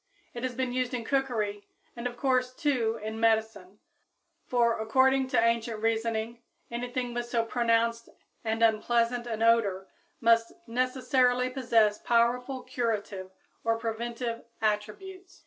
It has been used in cookery and of course, too, in medicine; for, according to ancient reasoning, anything with so pronounced and unpleasant an odor must necessarily possess powerful curative or preventive attributes!